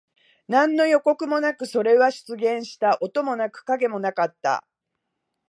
何の予告もなく、それは出現した。音もなく、影もなかった。